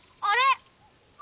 あれ！